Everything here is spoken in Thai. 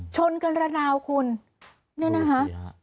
ชนกันระนาวคุณเนี่ยนะคะ